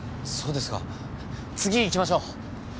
そうですか次行きましょう。